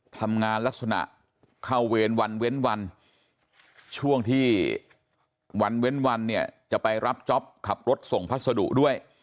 ทำงานลักษณะเข้าเวรวันเว้นวันช่วงที่วันเว้นวันเนี่ยจะไปรับจ๊อปขับรถส่งพัสดุด้วย